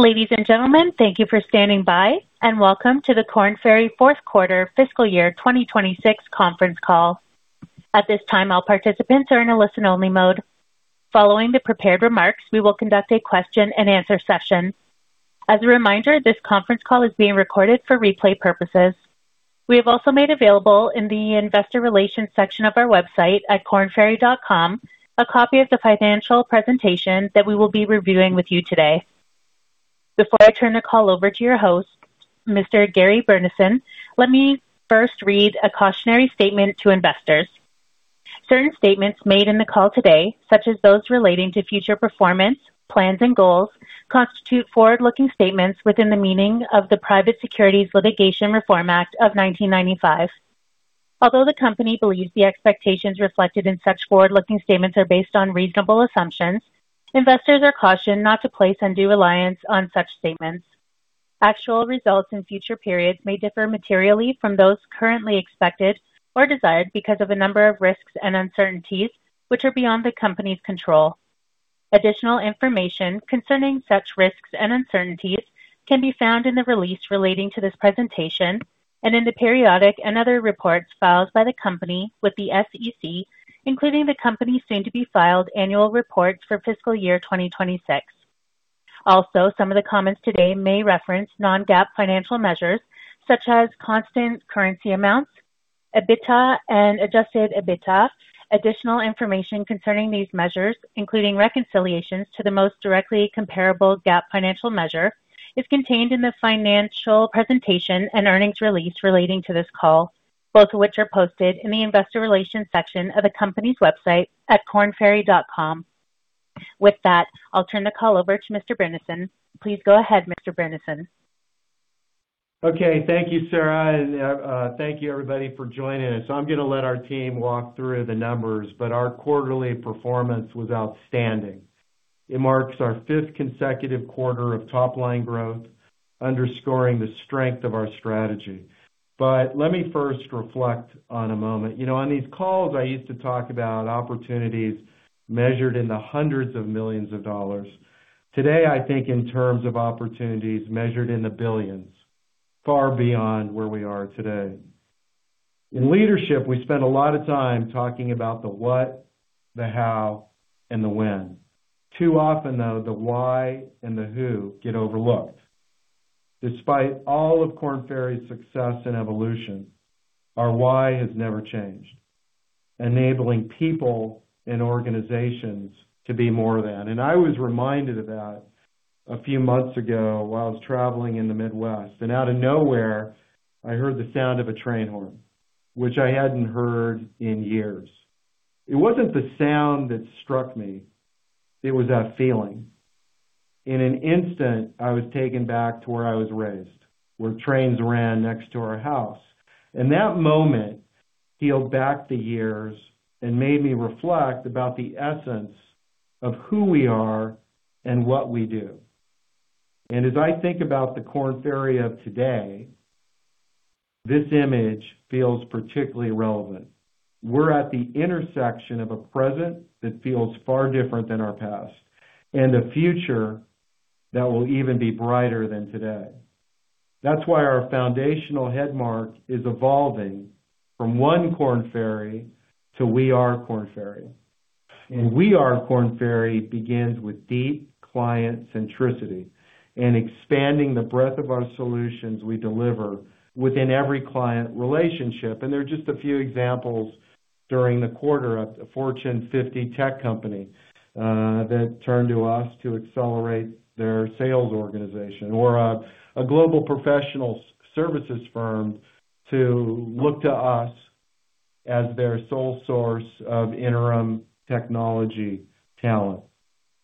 Ladies and gentlemen, thank you for standing by, and welcome to the Korn Ferry fourth quarter fiscal year 2026 conference call. At this time, all participants are in a listen-only mode. Following the prepared remarks, we will conduct a question and answer session. As a reminder, this conference call is being recorded for replay purposes. We have also made available in the investor relations section of our website at kornferry.com a copy of the financial presentation that we will be reviewing with you today. Before I turn the call over to your host, Mr. Gary Burnison, let me first read a cautionary statement to investors. Certain statements made in the call today, such as those relating to future performance, plans, and goals, constitute forward-looking statements within the meaning of the Private Securities Litigation Reform Act of 1995. Although the company believes the expectations reflected in such forward-looking statements are based on reasonable assumptions, investors are cautioned not to place undue reliance on such statements. Actual results in future periods may differ materially from those currently expected or desired because of a number of risks and uncertainties which are beyond the company's control. Additional information concerning such risks and uncertainties can be found in the release relating to this presentation and in the periodic and other reports filed by the company with the SEC, including the company's soon-to-be-filed annual report for fiscal year 2026. Also, some of the comments today may reference non-GAAP financial measures such as constant currency amounts, EBITDA and adjusted EBITDA. Additional information concerning these measures, including reconciliations to the most directly comparable GAAP financial measure, is contained in the financial presentation and earnings release relating to this call, both of which are posted in the investor relations section of the company's website at kornferry.com. With that, I'll turn the call over to Mr. Burnison. Please go ahead, Mr. Burnison. Okay. Thank you, Sarah, and thank you, everybody, for joining us. I'm going to let our team walk through the numbers, our quarterly performance was outstanding. It marks our fifth consecutive quarter of top-line growth, underscoring the strength of our strategy. Let me first reflect on a moment. On these calls, I used to talk about opportunities measured in the hundreds of millions of dollars. Today, I think in terms of opportunities measured in the billions, far beyond where we are today. In leadership, we spend a lot of time talking about the what, the how, and the when. Too often, though, the why and the who get overlooked. Despite all of Korn Ferry's success and evolution, our why has never changed: enabling people and organizations to be more than. I was reminded of that a few months ago while I was traveling in the Midwest. Out of nowhere, I heard the sound of a train horn, which I hadn't heard in years. It wasn't the sound that struck me, it was that feeling. In an instant, I was taken back to where I was raised, where trains ran next to our house. That moment peeled back the years and made me reflect about the essence of who we are and what we do. As I think about the Korn Ferry of today, this image feels particularly relevant. We're at the intersection of a present that feels far different than our past, and a future that will even be brighter than today. That's why our foundational head mark is evolving from one Korn Ferry to We Are Korn Ferry. We Are Korn Ferry begins with deep client centricity and expanding the breadth of our solutions we deliver within every client relationship. There are just a few examples during the quarter of a Fortune 50 tech company that turned to us to accelerate their sales organization, or a global professional services firm to look to us as their sole source of interim technology talent.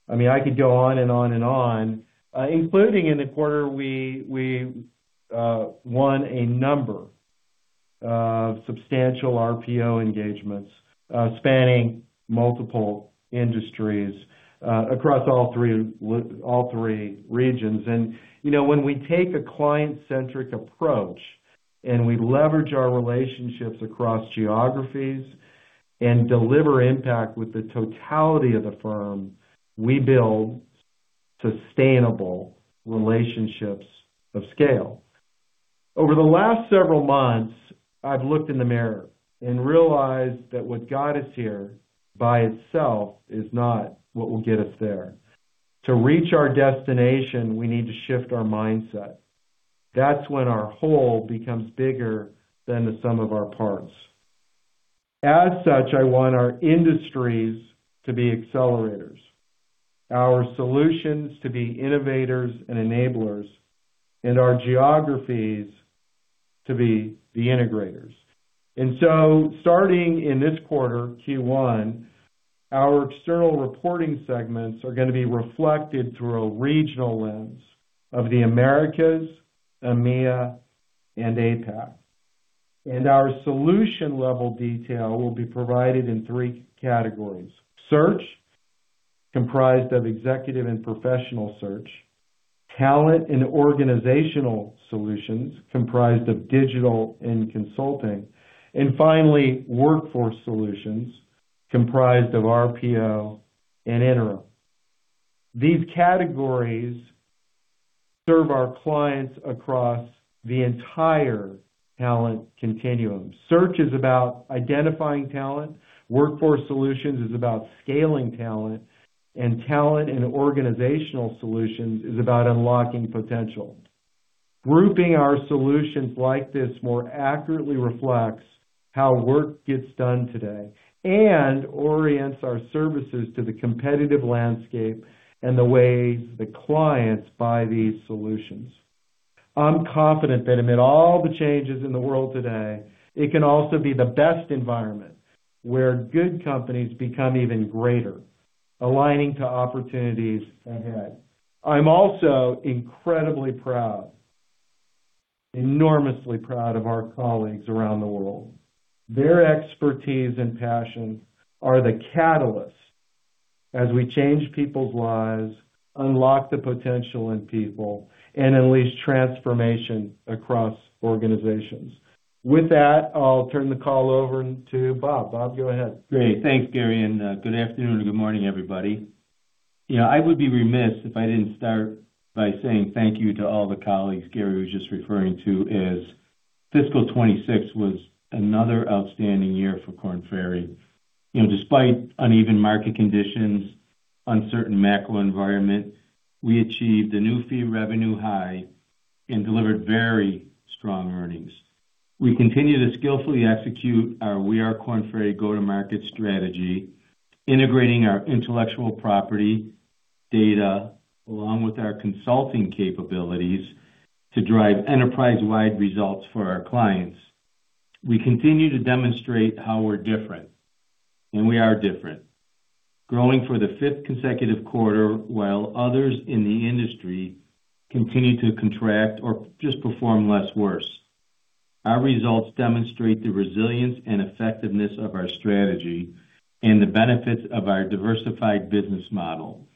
I could go on and on and on, including in the quarter, we won a number of substantial RPO engagements spanning multiple industries across all three regions. When we take a client-centric approach and we leverage our relationships across geographies and deliver impact with the totality of the firm, we build sustainable relationships of scale. Over the last several months, I've looked in the mirror and realized that what got us here by itself is not what will get us there. To reach our destination, we need to shift our mindset. That's when our whole becomes bigger than the sum of our parts. As such, I want our industries to be accelerators, our solutions to be innovators and enablers, and our geographies to be the integrators. Starting in this quarter, Q1, our external reporting segments are going to be reflected through a regional lens of the Americas, EMEA, and APAC. Our solution-level detail will be provided in three categories: search, comprised of executive and professional search; talent and organizational solutions, comprised of digital and consulting; and finally, workforce solutions comprised of RPO and interim. These categories serve our clients across the entire talent continuum. Search is about identifying talent, workforce solutions is about scaling talent, and talent and organizational solutions is about unlocking potential. Grouping our solutions like this more accurately reflects how work gets done today and orients our services to the competitive landscape and the ways that clients buy these solutions. I'm confident that amid all the changes in the world today, it can also be the best environment where good companies become even greater, aligning to opportunities ahead. I'm also incredibly proud, enormously proud of our colleagues around the world. Their expertise and passion are the catalyst as we change people's lives, unlock the potential in people, and unleash transformation across organizations. With that, I'll turn the call over to Bob. Bob, go ahead. Great. Thanks, Gary, and good afternoon and good morning, everybody. I would be remiss if I didn't start by saying thank you to all the colleagues Gary was just referring to as fiscal 2026 was another outstanding year for Korn Ferry. Despite uneven market conditions, uncertain macro environment, we achieved a new fee revenue high and delivered very strong earnings. We continue to skillfully execute our We Are Korn Ferry go-to-market strategy, integrating our intellectual property data along with our consulting capabilities to drive enterprise-wide results for our clients. We continue to demonstrate how we're different, and we are different, growing for the fifth consecutive quarter while others in the industry continue to contract or just perform less worse. Our results demonstrate the resilience and effectiveness of our strategy and the benefits of our diversified business model.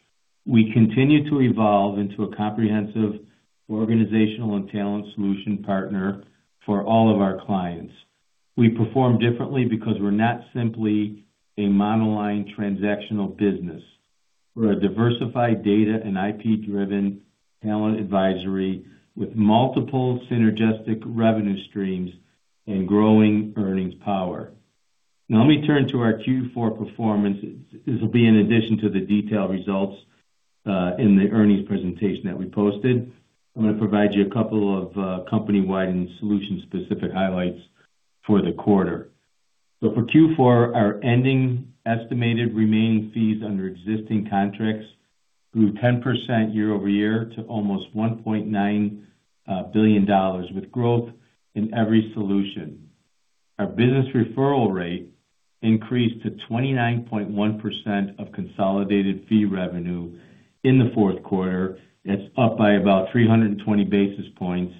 We continue to evolve into a comprehensive organizational and talent solution partner for all of our clients. We perform differently because we're not simply a monoline transactional business. We're a diversified data and IP-driven talent advisory with multiple synergistic revenue streams and growing earnings power. Let me turn to our Q4 performance. This will be in addition to the detailed results in the earnings presentation that we posted. I'm going to provide you a couple of company-wide and solution-specific highlights for the quarter. For Q4, our ending estimated remaining fees under existing contracts grew 10% year over year to almost $1.9 billion, with growth in every solution. Our business referral rate increased to 29.1% of consolidated fee revenue in the fourth quarter. That's up by about 320 basis points.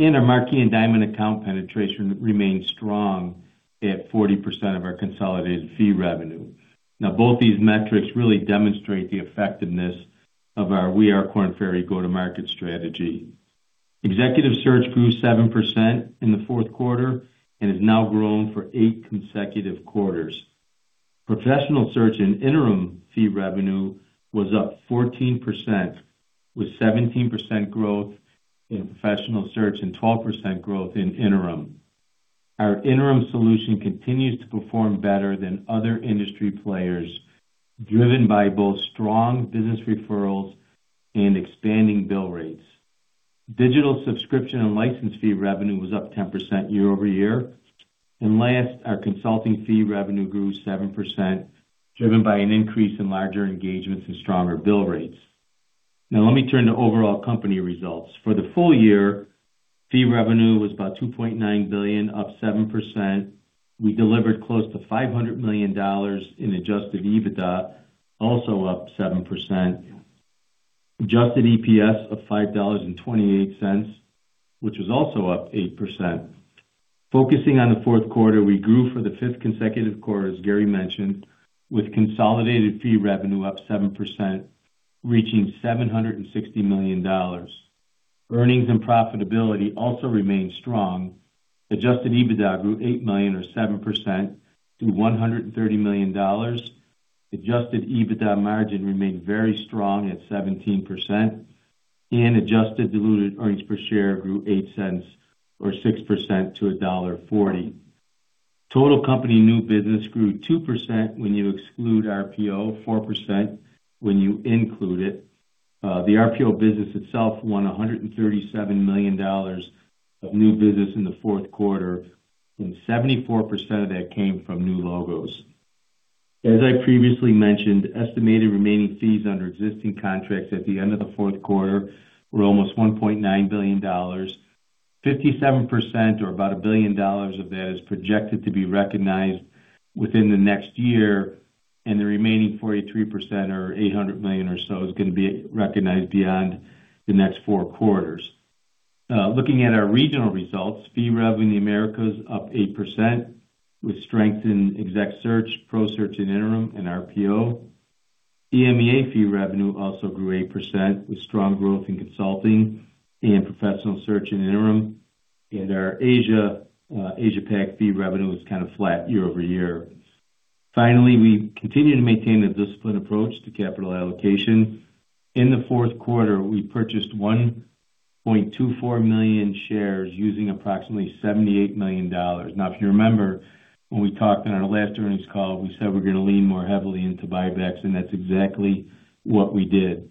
Our Marquee and Diamond account penetration remains strong at 40% of our consolidated fee revenue. Both these metrics really demonstrate the effectiveness of our We Are Korn Ferry go-to-market strategy. Executive search grew 7% in the fourth quarter and has now grown for eight consecutive quarters. Professional search and interim fee revenue was up 14%, with 17% growth in professional search and 12% growth in interim. Our interim solution continues to perform better than other industry players, driven by both strong business referrals and expanding bill rates. Digital subscription and license fee revenue was up 10% year over year. Last, our consulting fee revenue grew 7%, driven by an increase in larger engagements and stronger bill rates. Let me turn to overall company results. For the full year, fee revenue was about $2.9 billion, up 7%. We delivered close to $500 million in adjusted EBITDA, also up 7%. Adjusted EPS of $5.28, which was also up 8%. Focusing on the fourth quarter, we grew for the fifth consecutive quarter, as Gary mentioned, with consolidated fee revenue up 7%, reaching $760 million. Earnings and profitability also remained strong. Adjusted EBITDA grew $8 million or 7% to $130 million. Adjusted EBITDA margin remained very strong at 17%. Adjusted diluted earnings per share grew $0.08 or 6% to $1.40. Total company new business grew 2% when you exclude RPO, 4% when you include it. The RPO business itself won $137 million of new business in the fourth quarter, and 74% of that came from new logos. As I previously mentioned, estimated remaining fees under existing contracts at the end of the fourth quarter were almost $1.9 billion. 57%, or about $1 billion of that is projected to be recognized within the next year, and the remaining 43%, or $800 million or so, is going to be recognized beyond the next four quarters. Looking at our regional results, fee rev in the Americas up 8%, with strength in Exec Search, Pro Search and interim, and RPO. EMEA fee revenue also grew 8%, with strong growth in consulting and Professional Search and interim. Our APAC fee revenue is kind of flat year-over-year. Finally, we continue to maintain a disciplined approach to capital allocation. In the fourth quarter, we purchased 1.24 million shares using approximately $78 million. If you remember when we talked on our last earnings call, we said we're going to lean more heavily into buybacks, and that's exactly what we did.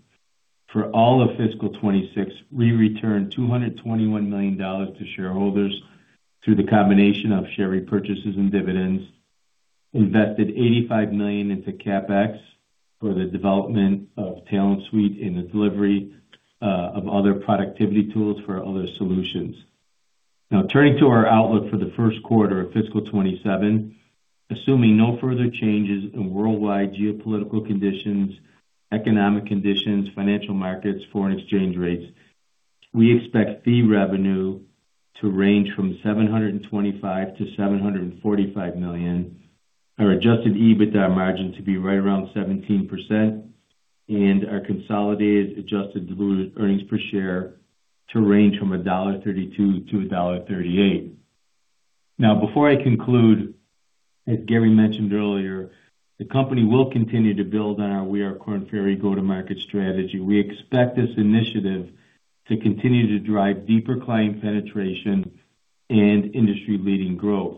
For all of FY 2026, we returned $221 million to shareholders through the combination of share repurchases and dividends, invested $85 million into CapEx for the development of Talent Suite and the delivery of other productivity tools for other solutions. Turning to our outlook for the first quarter of FY 2027, assuming no further changes in worldwide geopolitical conditions, economic conditions, financial markets, foreign exchange rates, we expect fee revenue to range from $725 million-$745 million. Our adjusted EBITDA margin to be right around 17%, and our consolidated adjusted diluted earnings per share to range from $1.32-$1.38. Before I conclude, as Gary mentioned earlier, the company will continue to build on our We Are Korn Ferry go-to-market strategy. We expect this initiative to continue to drive deeper client penetration and industry-leading growth.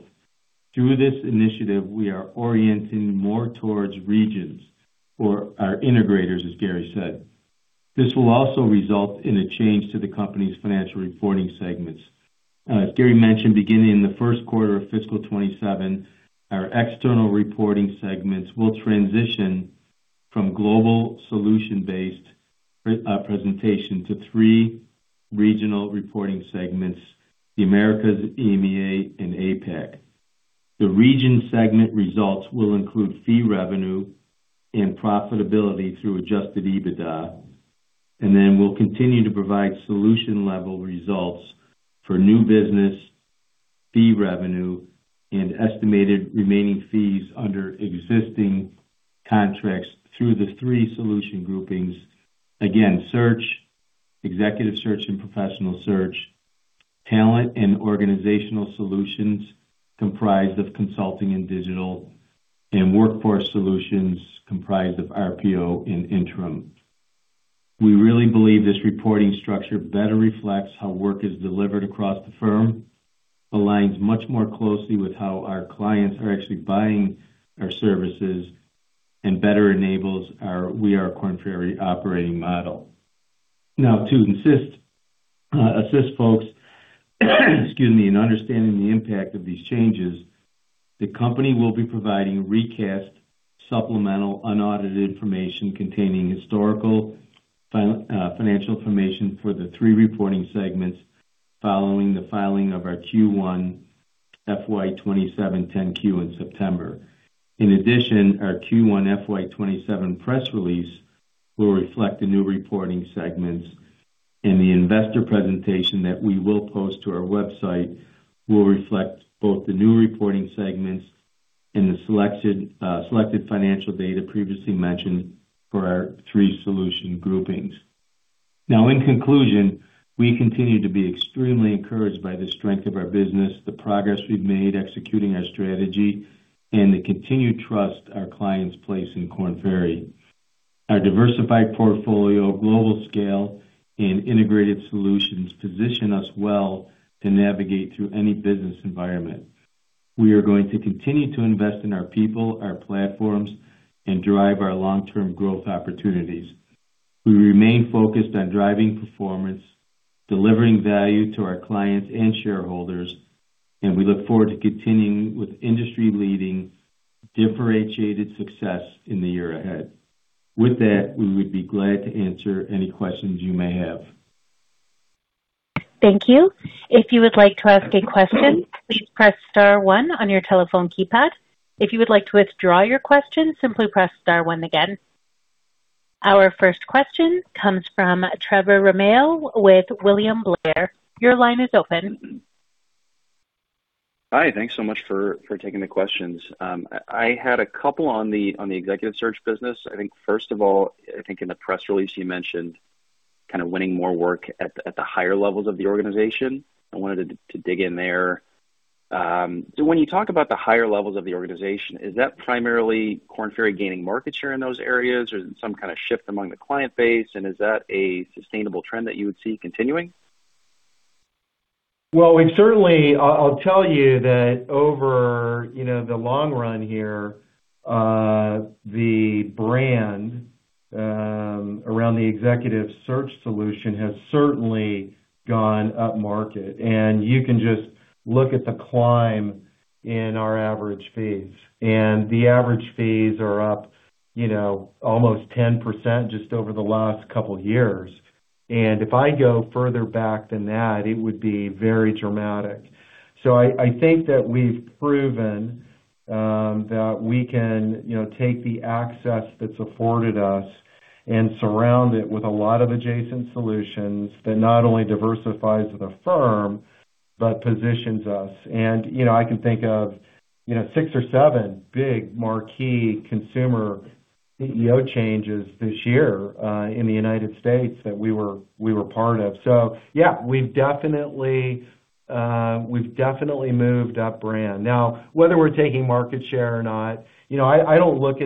Through this initiative, we are orienting more towards regions or our integrators, as Gary said. This will also result in a change to the company's financial reporting segments. As Gary mentioned, beginning in the first quarter of FY 2027, our external reporting segments will transition from global solution-based presentation to three regional reporting segments, the Americas, EMEA, and APAC. The region segment results will include fee revenue and profitability through adjusted EBITDA. Then we'll continue to provide solution-level results for new business, fee revenue, and estimated remaining fees under existing contracts through the three solution groupings. Search, Executive Search and Professional Search, Talent and Organizational Solutions comprised of consulting and Digital, and Workforce Solutions comprised of RPO and interim. We really believe this reporting structure better reflects how work is delivered across the firm, aligns much more closely with how our clients are actually buying our services, and better enables our We Are Korn Ferry operating model. To assist folks in understanding the impact of these changes, the company will be providing recast supplemental unaudited information containing historical financial information for the three reporting segments following the filing of our Q1 FY 2027 10-Q in September. Our Q1 FY 2027 press release will reflect the new reporting segments. The investor presentation that we will post to our website will reflect both the new reporting segments and the selected financial data previously mentioned for our three solution groupings. Search, Executive Search and Professional Search, Talent and Organizational Solutions comprised of consulting and Digital, and Workforce Solutions comprised of RPO and interim. In conclusion, we continue to be extremely encouraged by the strength of our business, the progress we've made executing our strategy, and the continued trust our clients place in Korn Ferry. Our diversified portfolio, global scale, and integrated solutions position us well to navigate through any business environment. We are going to continue to invest in our people, our platforms, and drive our long-term growth opportunities. We remain focused on driving performance, delivering value to our clients and shareholders, and we look forward to continuing with industry-leading differentiated success in the year ahead. With that, we would be glad to answer any questions you may have. Thank you. If you would like to ask a question, please press star one on your telephone keypad. If you would like to withdraw your question, simply press star one again. Our first question comes from Trevor Romeo with William Blair. Your line is open. Hi, thanks so much for taking the questions. I had a couple on the executive search business. I think, first of all, I think in the press release you mentioned kind of winning more work at the higher levels of the organization. I wanted to dig in there. When you talk about the higher levels of the organization, is that primarily Korn Ferry gaining market share in those areas or some kind of shift among the client base? Is that a sustainable trend that you would see continuing? Well, I'll tell you that over the long run here, the brand around the executive search solution has certainly gone up market, you can just look at the climb in our average fees. The average fees are up almost 10% just over the last couple of years. If I go further back than that, it would be very dramatic. I think that we've proven that we can take the access that's afforded us Surround it with a lot of adjacent solutions that not only diversifies the firm, but positions us. I can think of six or seven big Marquee consumer CEO changes this year in the U.S. that we were part of. Yeah, we've definitely moved up brand. Whether we're taking market share or not, I look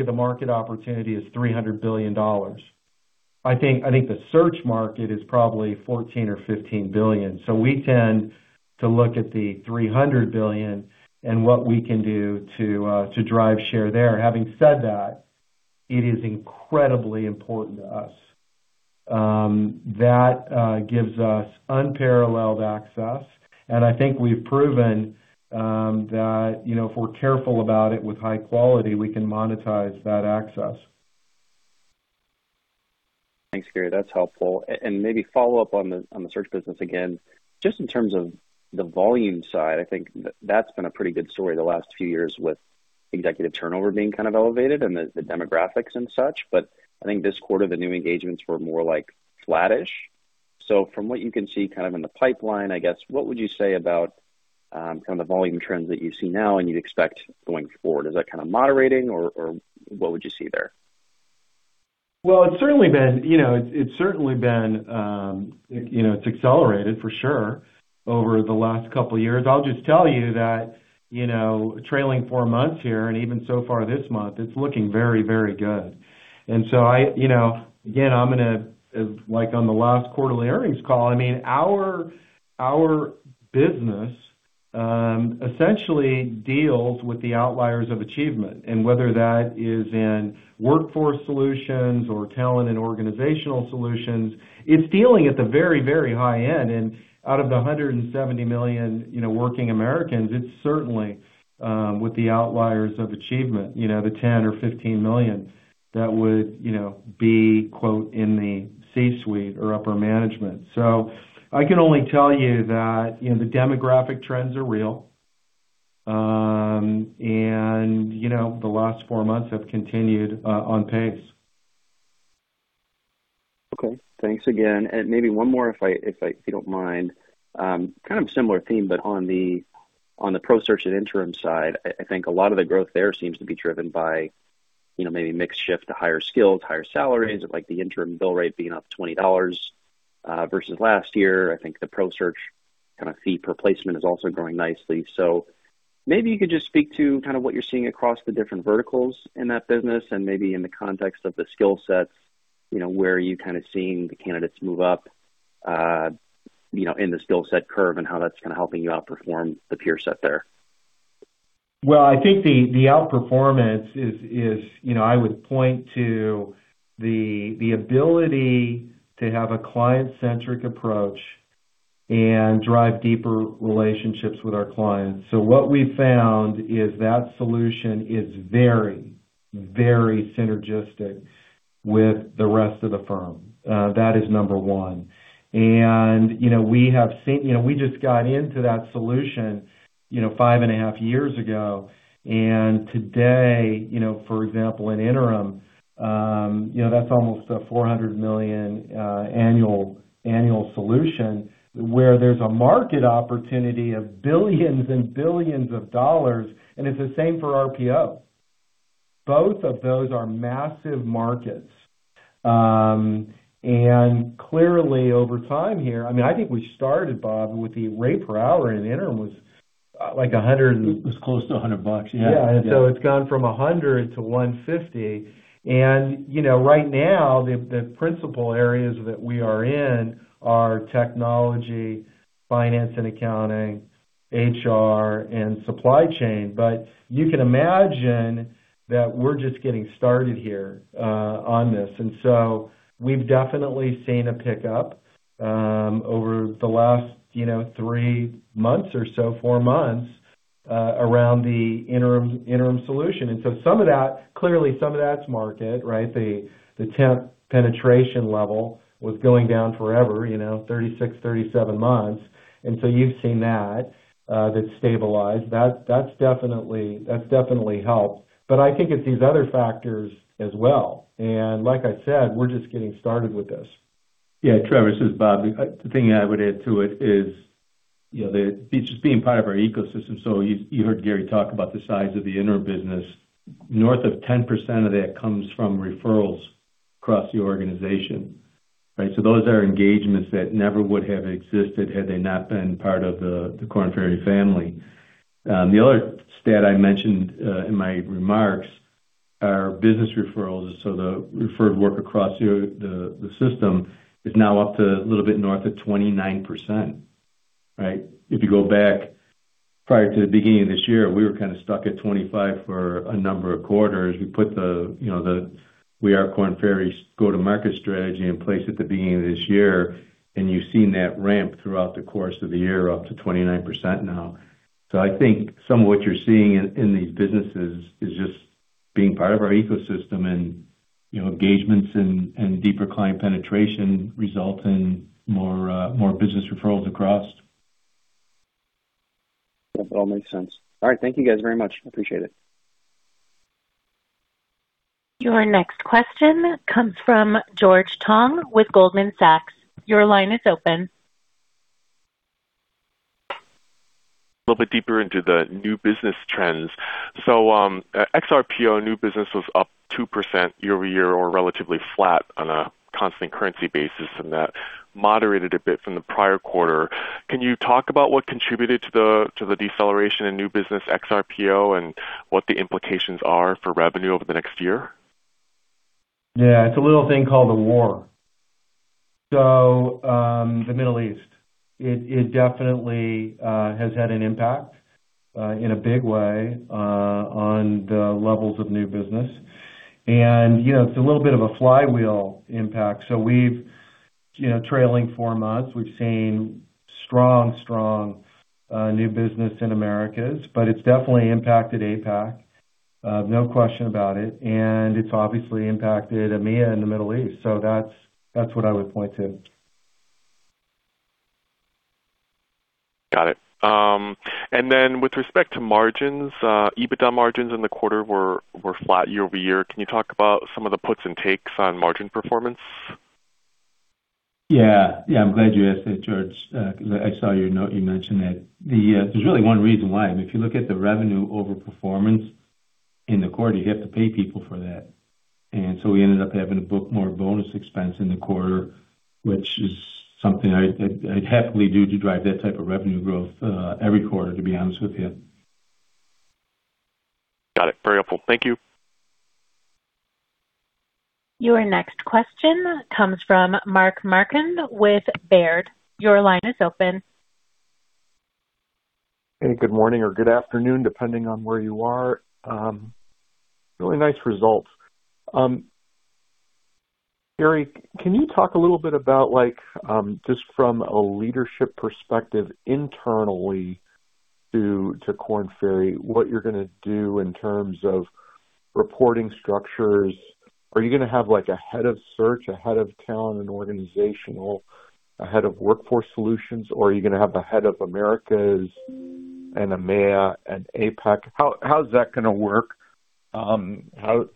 at the market opportunity as $300 billion. I think the search market is probably $14 billion or $15 billion. We tend to look at the $300 billion and what we can do to drive share there. Having said that, it is incredibly important to us. That gives us unparalleled access, and I think we've proven that if we're careful about it with high quality, we can monetize that access. Thanks, Gary. That's helpful. Maybe follow up on the search business again, just in terms of the volume side, I think that's been a pretty good story the last few years with executive turnover being kind of elevated and the demographics and such. I think this quarter, the new engagements were more like flattish. From what you can see kind of in the pipeline, I guess, what would you say about kind of the volume trends that you see now and you'd expect going forward? Is that kind of moderating or what would you see there? Well, it's certainly been accelerated for sure over the last couple of years. I'll just tell you that trailing four months here, even so far this month, it's looking very good. Again, like on the last quarterly earnings call, our business essentially deals with the outliers of achievement, and whether that is in workforce solutions or talent and organizational solutions, it's dealing at the very high end. Out of the 170 million working Americans, it's certainly with the outliers of achievement, the $10 million or $15 million that would be, quote, "In the C-suite or upper management." I can only tell you that the demographic trends are real. The last four months have continued on pace. Okay. Thanks again. Maybe one more, if you don't mind. Kind of similar theme, but on the ProSearch and Interim side, I think a lot of the growth there seems to be driven by maybe mix shift to higher skills, higher salaries, like the interim bill rate being up $20 versus last year. I think the ProSearch kind of fee per placement is also growing nicely. Maybe you could just speak to kind of what you're seeing across the different verticals in that business and maybe in the context of the skill sets, where are you kind of seeing the candidates move up in the skill set curve and how that's kind of helping you outperform the peer set there? Well, I think the outperformance is, I would point to the ability to have a client-centric approach and drive deeper relationships with our clients. What we've found is that solution is very synergistic with the rest of the firm. That is number one. We just got into that solution five and a half years ago. Today, for example, in Interim, that's almost a $400 million annual solution where there's a market opportunity of $ billions and billions, and it's the same for RPO. Both of those are massive markets. Clearly over time here, I think we started, Bob, with the rate per hour in Interim was like 100 and- It was close to $100, yeah. Yeah. It's gone from 100 to 150. Right now, the principal areas that we are in are technology, finance and accounting, HR, and supply chain. You can imagine that we're just getting started here on this. We've definitely seen a pickup over the last three months or so, four months, around the Interim solution. Some of that, clearly, some of that's market, right? The temp penetration level was going down forever, 36, 37 months. You've seen that. That's stabilized. That's definitely helped. I think it's these other factors as well. Like I said, we're just getting started with this. Yeah, Trevor Romeo, this is Bob. The thing I would add to it is, it's just being part of our ecosystem. You heard Gary talk about the size of the Interim business. North of 10% of that comes from referrals across the organization, right? Those are engagements that never would have existed had they not been part of the Korn Ferry family. The other stat I mentioned in my remarks are business referrals. The referred work across the system is now up to a little bit north of 29%, right? If you go back prior to the beginning of this year, we were kind of stuck at 25 for a number of quarters. We put the We Are Korn Ferry go-to-market strategy in place at the beginning of this year, and you've seen that ramp throughout the course of the year up to 29% now. I think some of what you're seeing in these businesses is just being part of our ecosystem and engagements and deeper client penetration result in more business referrals across. Yeah, it all makes sense. All right. Thank you guys very much. Appreciate it. Your next question comes from George Tong with Goldman Sachs. Your line is open. A little bit deeper into the new business trends. ex-RPO new business was up 2% year-over-year or relatively flat on a constant currency basis, and that moderated a bit from the prior quarter. Can you talk about what contributed to the deceleration in new business ex-RPO and what the implications are for revenue over the next year? Yeah. It's a little thing called a war. The Middle East. It definitely has had an impact, in a big way, on the levels of new business. It's a little bit of a flywheel impact. Trailing four months, we've seen strong new business in Americas, but it's definitely impacted APAC, no question about it. It's obviously impacted EMEA and the Middle East. That's what I would point to. Got it. With respect to margins, EBITDA margins in the quarter were flat year-over-year. Can you talk about some of the puts and takes on margin performance? Yeah. I'm glad you asked that, George, because I saw you mentioned that. There's really one reason why. If you look at the revenue overperformance in the quarter, you have to pay people for that. We ended up having to book more bonus expense in the quarter, which is something I'd happily do to drive that type of revenue growth, every quarter, to be honest with you. Got it. Very helpful. Thank you. Your next question comes from Mark Marcon with Baird. Your line is open. Hey, good morning or good afternoon, depending on where you are. Really nice results. Gary, can you talk a little bit about, just from a leadership perspective internally to Korn Ferry, what you're gonna do in terms of reporting structures? Are you gonna have a head of search, a head of talent and organizational, a head of workforce solutions, or are you gonna have a head of Americas and EMEA and APAC? How's that gonna work? How's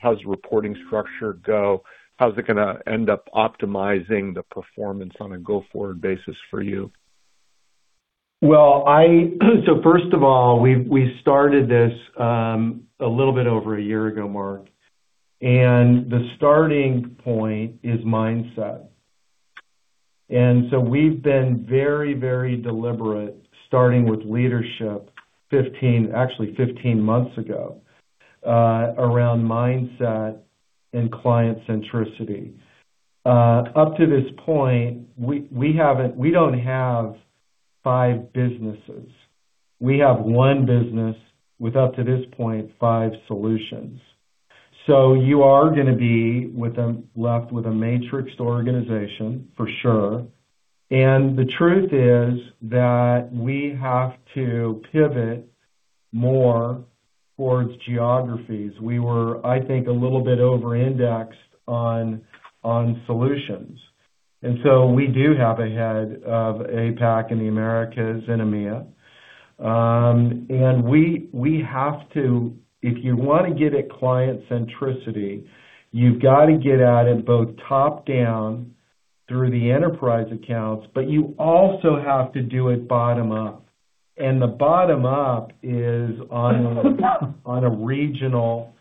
the reporting structure go? How's it gonna end up optimizing the performance on a go-forward basis for you? First of all, we started this a little bit over a year ago, Mark, the starting point is mindset. We've been very deliberate, starting with leadership 15, actually 15 months ago, around mindset and client centricity. Up to this point, we don't have five businesses. We have one business with, up to this point, five solutions. You are gonna be left with a matrixed organization for sure. The truth is that we have to pivot more towards geographies. We were, I think, a little bit over-indexed on solutions. We do have a head of APAC and the Americas and EMEA. If you want to get at client centricity, you've got to get at it both top-down through the enterprise accounts, but you also have to do it bottom-up. The bottom up is on a regional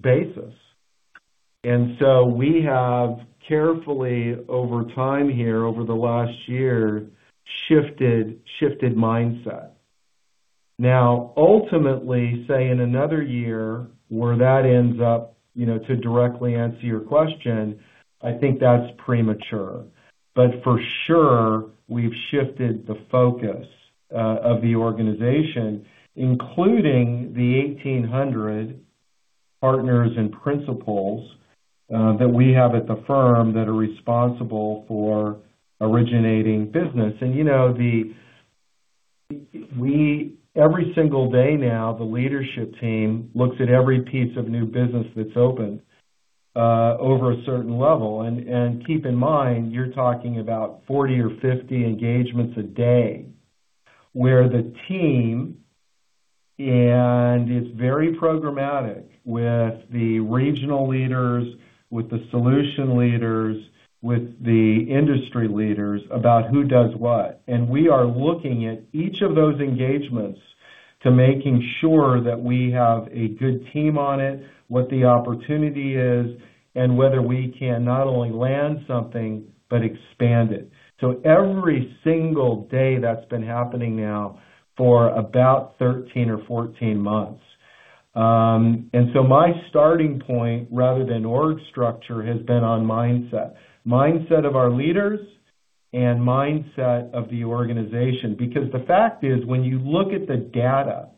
basis. We have carefully over time here, over the last year, shifted mindset. Ultimately, say in another year where that ends up, to directly answer your question, I think that's premature. For sure, we've shifted the focus of the organization, including the 1,800 partners and principals that we have at the firm that are responsible for originating business. Every single day now, the leadership team looks at every piece of new business that's opened over a certain level. Keep in mind, you're talking about 40 or 50 engagements a day where the team, and it's very programmatic with the regional leaders, with the solution leaders, with the industry leaders about who does what. We are looking at each of those engagements to making sure that we have a good team on it, what the opportunity is, and whether we can not only land something but expand it. Every single day that's been happening now for about 13 or 14 months. My starting point, rather than org structure, has been on mindset. Mindset of our leaders and mindset of the organization. The fact is, when you look at the data,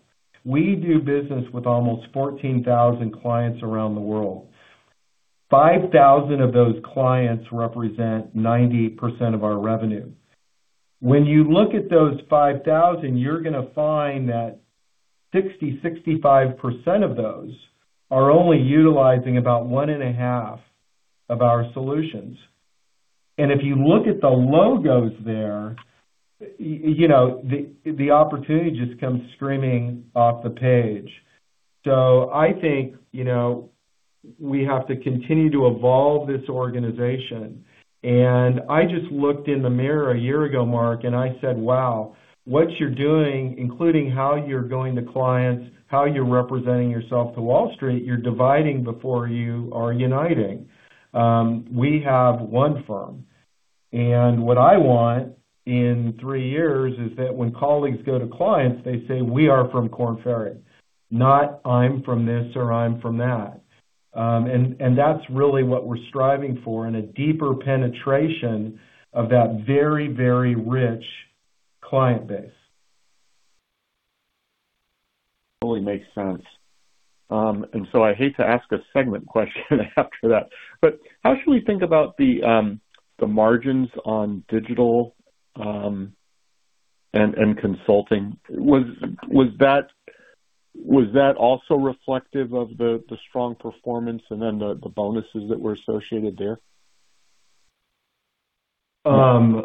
we do business with almost 14,000 clients around the world. 5,000 of those clients represent 90% of our revenue. When you look at those 5,000, you're gonna find that 60%, 65% of those are only utilizing about one and a half of our solutions If you look at the logos there, the opportunity just comes screaming off the page. I think we have to continue to evolve this organization. I just looked in the mirror a year ago, Mark, and I said, "Wow, what you're doing, including how you're going to clients, how you're representing yourself to Wall Street, you're dividing before you are uniting." We have one firm. What I want in three years is that when colleagues go to clients, they say, "We are from Korn Ferry," not, "I'm from this," or, "I'm from that." That's really what we're striving for in a deeper penetration of that very rich client base. Totally makes sense. I hate to ask a segment question after that, but how should we think about the margins on digital and consulting? Was that also reflective of the strong performance and then the bonuses that were associated there? I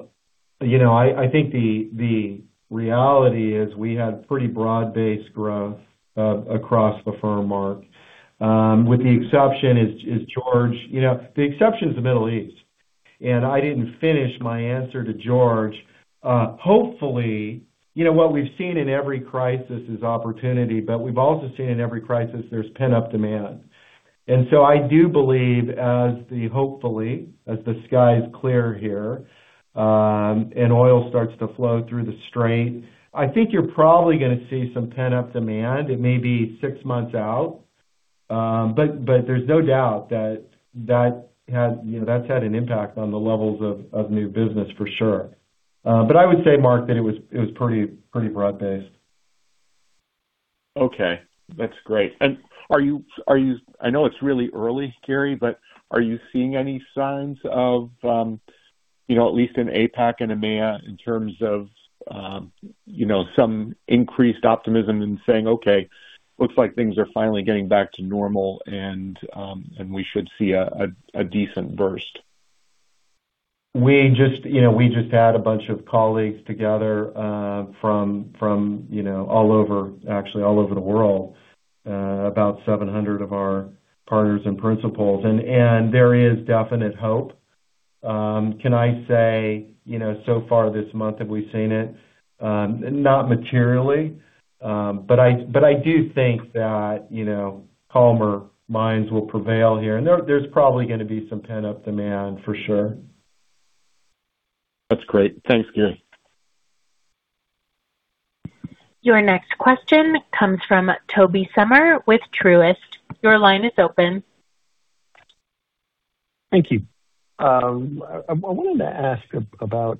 think the reality is we had pretty broad-based growth across the firm, Mark. With the exception is George. The exception is the Middle East. I didn't finish my answer to George. Hopefully, what we've seen in every crisis is opportunity, we've also seen in every crisis there's pent-up demand. I do believe as the, hopefully, as the skies clear here, and oil starts to flow through the strait, I think you're probably going to see some pent-up demand. It may be six months out. There's no doubt that that's had an impact on the levels of new business, for sure. I would say, Mark, that it was pretty broad-based. Okay. That's great. I know it's really early, Gary, but are you seeing any signs of, at least in APAC and EMEA, in terms of some increased optimism and saying, "Okay, looks like things are finally getting back to normal," we should see a decent burst? We just had a bunch of colleagues together from all over, actually all over the world, about 700 of our partners and principals. There is definite hope. Can I say, so far this month, have we seen it? Not materially. I do think that calmer minds will prevail here. There's probably going to be some pent-up demand, for sure. That's great. Thanks, Gary. Your next question comes from Tobey Sommer with Truist. Your line is open. Thank you. I wanted to ask about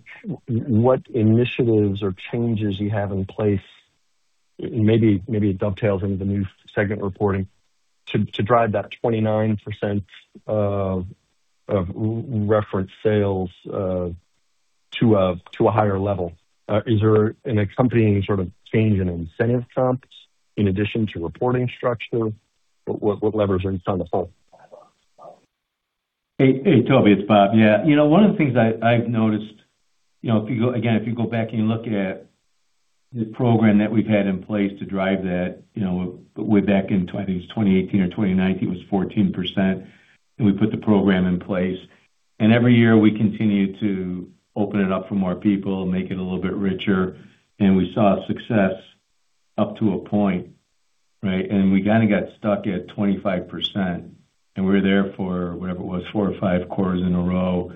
what initiatives or changes you have in place, maybe it dovetails into the new segment reporting, to drive that 29% of reference sales to a higher level. Is there an accompanying sort of change in incentive comps in addition to reporting structure? What levers are in place on the phone? Hey, Tobey. It's Bob. Yeah. One of the things I've noticed, again, if you go back and you look at the program that we've had in place to drive that way back in, I think it was 2018 or 2019, it was 14%, and we put the program in place. Every year, we continued to open it up for more people, make it a little bit richer, and we saw success up to a point, right? We kind of got stuck at 25%, and we were there for whatever it was, four or five quarters in a row.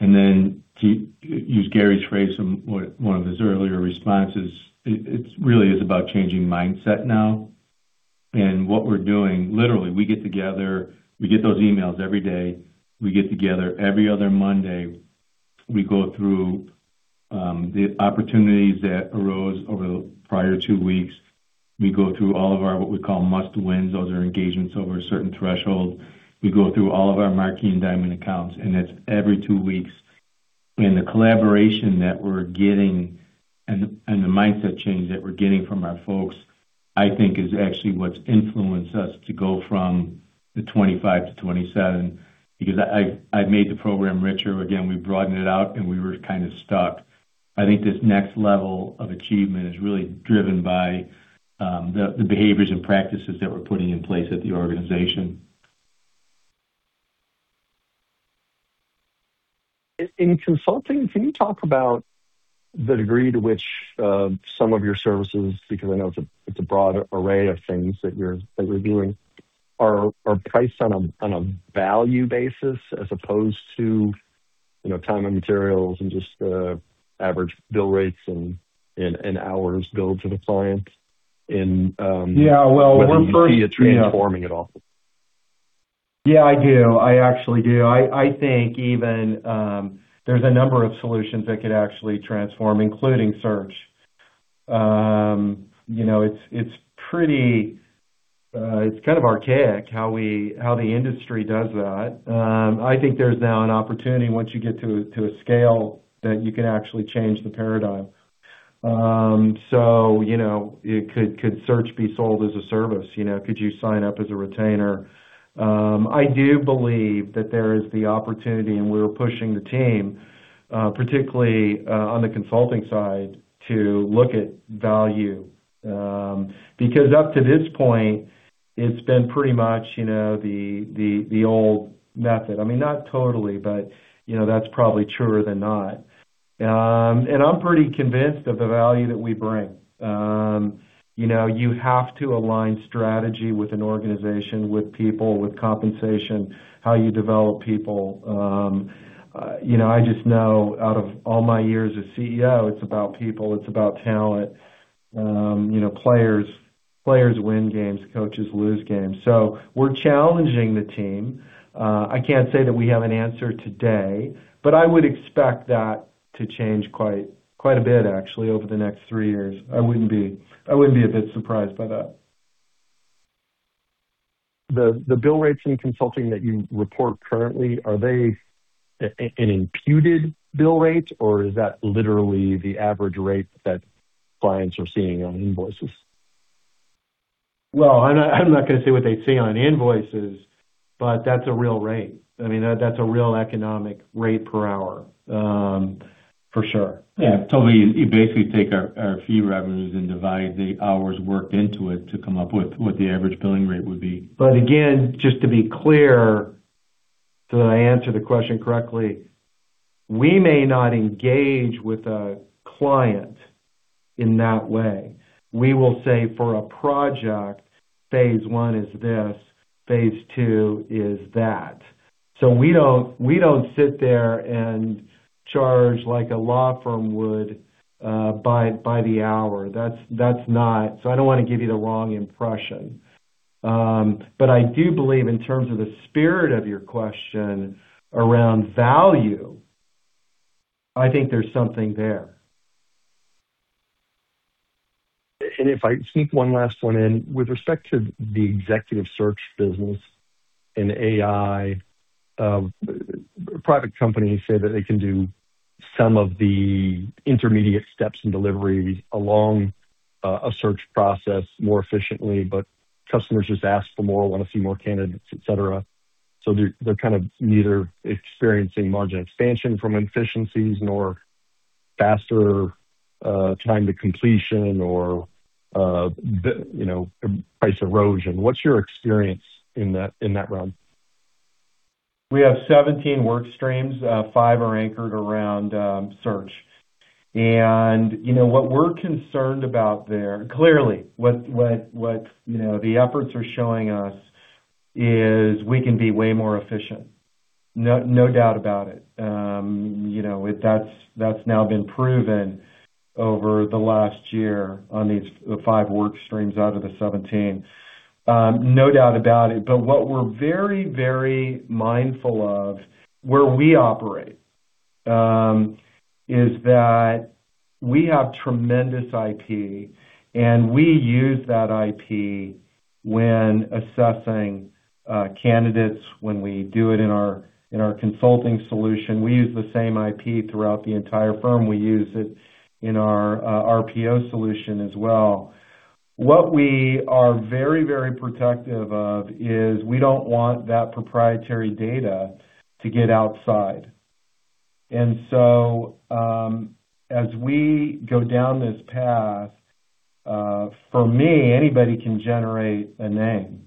To use Gary's phrase from one of his earlier responses, it really is about changing mindset now. What we're doing, literally, we get together, we get those emails every day. We get together every other Monday. We go through the opportunities that arose over the prior two weeks. We go through all of our what we call must-wins. Those are engagements over a certain threshold. We go through all of our Marquee and Diamond accounts, and that's every two weeks. The collaboration that we're getting and the mindset change that we're getting from our folks, I think is actually what's influenced us to go from the 25 to 27 because I've made the program richer. Again, we broadened it out, and we were kind of stuck. I think this next level of achievement is really driven by the behaviors and practices that we're putting in place at the organization. In consulting, can you talk about the degree to which some of your services, because I know it's a broad array of things that you're doing, are priced on a value basis as opposed to time and materials and just average bill rates and hours billed to the client and- Yeah. Whether you see it transforming at all? Yeah, I do. I actually do. I think even there's a number of solutions that could actually transform, including search. It's kind of archaic how the industry does that. I think there's now an opportunity once you get to a scale that you can actually change the paradigm. Could search be sold as a service? Could you sign up as a retainer? I do believe that there is the opportunity, and we're pushing the team, particularly on the consulting side, to look at value. Because up to this point, it's been pretty much the old method. I mean, not totally, but that's probably truer than not. I'm pretty convinced of the value that we bring. You have to align strategy with an organization, with people, with compensation, how you develop people. I just know out of all my years as CEO, it's about people, it's about talent. Players win games, coaches lose games. We're challenging the team. I can't say that we have an answer today, but I would expect that to change quite a bit actually over the next three years. I wouldn't be a bit surprised by that. The bill rates in consulting that you report currently, are they an imputed bill rate, or is that literally the average rate that clients are seeing on invoices? Well, I'm not going to say what they see on invoices, but that's a real rate. I mean, that's a real economic rate per hour. For sure. Yeah, totally. You basically take our fee revenues and divide the hours worked into it to come up with what the average billing rate would be. Again, just to be clear, so that I answer the question correctly, we may not engage with a client in that way. We will say for a project, phase one is this, phase two is that. We don't sit there and charge like a law firm would by the hour. I don't want to give you the wrong impression. I do believe in terms of the spirit of your question around value, I think there's something there. If I sneak one last one in. With respect to the executive search business and AI, private companies say that they can do some of the intermediate steps and deliveries along a search process more efficiently, but customers just ask for more, want to see more candidates, et cetera. They're kind of neither experiencing margin expansion from efficiencies nor faster time to completion or price erosion. What's your experience in that realm? We have 17 work streams. Five are anchored around search. What we're concerned about there. Clearly, what the efforts are showing us is we can be way more efficient. No doubt about it. That's now been proven over the last year on these five work streams out of the 17. No doubt about it. What we're very mindful of where we operate, is that we have tremendous IP, and we use that IP when assessing candidates, when we do it in our consulting solution. We use the same IP throughout the entire firm. We use it in our RPO solution as well. What we are very protective of is we don't want that proprietary data to get outside. As we go down this path, for me, anybody can generate a name.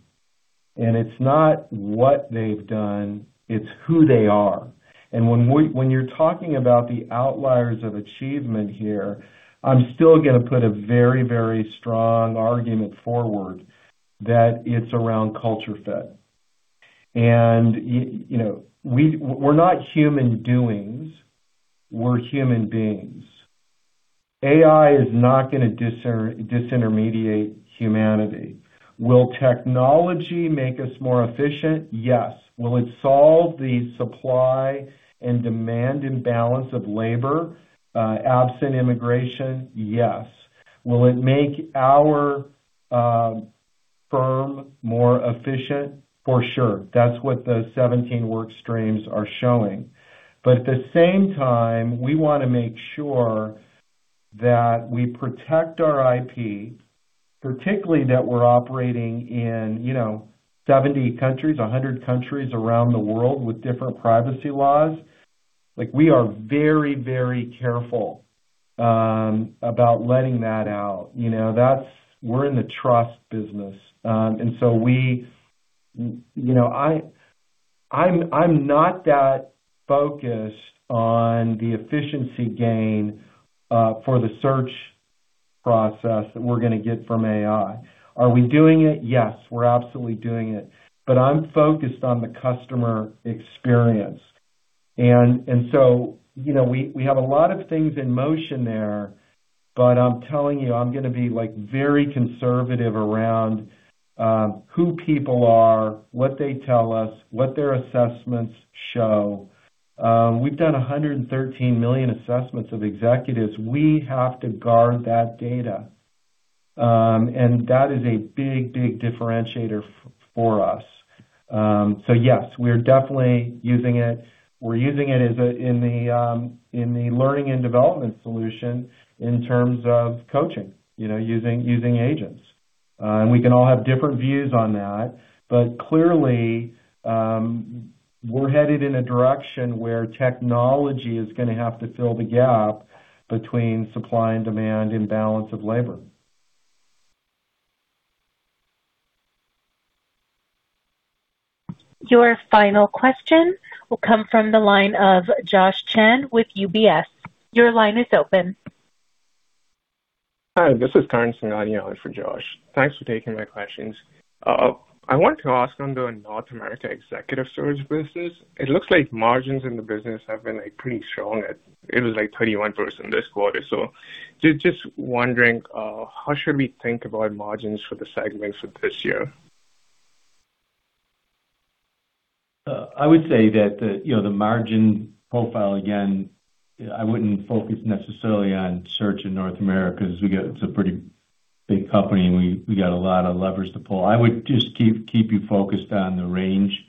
It's not what they've done, it's who they are. When you're talking about the outliers of achievement here, I'm still going to put a very strong argument forward that it's around culture fit. We're not human doings, we're human beings. AI is not going to disintermediate humanity. Will technology make us more efficient? Yes. Will it solve the supply and demand imbalance of labor, absent immigration? Yes. Will it make our firm more efficient? For sure. That's what the 17 work streams are showing. At the same time, we want to make sure that we protect our IP, particularly that we're operating in 70 countries, 100 countries around the world with different privacy laws. We are very careful about letting that out. We're in the trust business. I'm not that focused on the efficiency gain for the search process that we're going to get from AI. Are we doing it? Yes, we're absolutely doing it. I'm focused on the customer experience. We have a lot of things in motion there, but I'm telling you, I'm going to be very conservative around who people are, what they tell us, what their assessments show. We've done 113 million assessments of executives. We have to guard that data. That is a big differentiator for us. Yes, we are definitely using it. We're using it in the learning and development solution in terms of coaching, using agents. We can all have different views on that, but clearly, we're headed in a direction where technology is going to have to fill the gap between supply and demand imbalance of labor. Your final question will come from the line of Joshua Chan with UBS. Your line is open. Hi, this is Karan Singhania for Josh. Thanks for taking my questions. I wanted to ask on the North America executive search business. It looks like margins in the business have been pretty strong. It was like 21% this quarter. Just wondering, how should we think about margins for the segments for this year? I would say that the margin profile, again, I wouldn't focus necessarily on search in North America, as it's a pretty big company, and we got a lot of levers to pull. I would just keep you focused on the range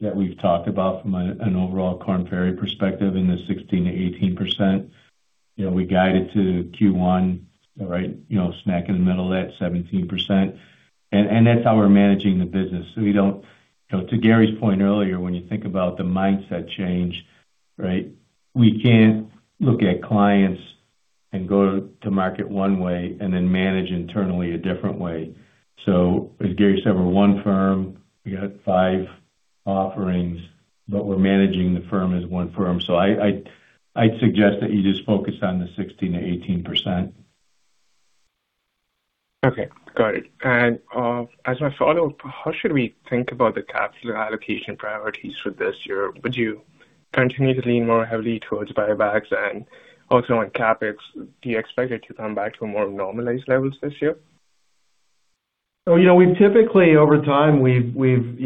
that we've talked about from an overall Korn Ferry perspective in the 16%-18%. We guided to Q1, right, smack in the middle at 17%, and that's how we're managing the business. To Gary's point earlier, when you think about the mindset change, we can't look at clients and go to market one way and then manage internally a different way. As Gary said, we're one firm, we got five offerings, but we're managing the firm as one firm. I'd suggest that you just focus on the 16%-18%. Okay, got it. As my follow-up, how should we think about the capital allocation priorities for this year? Would you continue to lean more heavily towards buybacks and also on CapEx? Do you expect it to come back to a more normalized levels this year? We've typically, over time, we've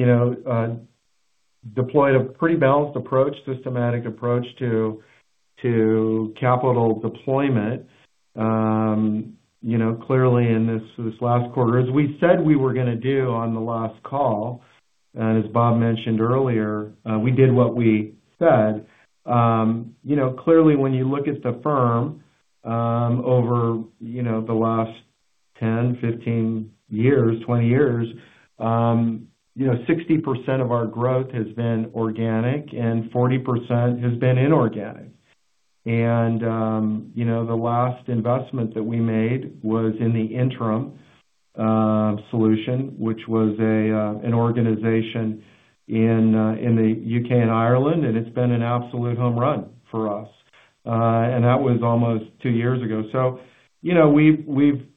deployed a pretty balanced approach, systematic approach to capital deployment. Clearly in this last quarter, as we said we were going to do on the last call, and as Bob mentioned earlier, we did what we said. Clearly when you look at the firm over the last 10, 15 years, 20 years, 60% of our growth has been organic and 40% has been inorganic. The last investment that we made was in the Interim solution, which was an organization in the U.K. and Ireland, and it's been an absolute home run for us. That was almost two years ago.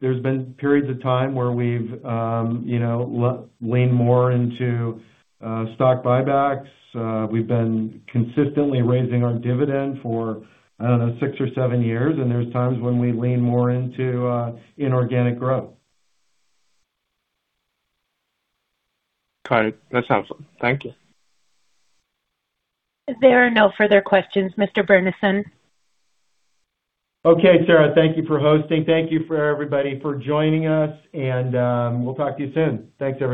There's been periods of time where we've leaned more into stock buybacks. We've been consistently raising our dividend for, I don't know, six or seven years, and there's times when we lean more into inorganic growth. Got it. That's helpful. Thank you. There are no further questions, Mr. Burnison. Okay, Sarah, thank you for hosting. Thank you, everybody, for joining us, and we'll talk to you soon. Thanks.